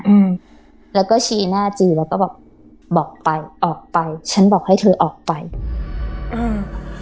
อืมแล้วก็ชี้หน้าจือแล้วก็แบบบอกไปออกไปฉันบอกให้เธอออกไปอ่า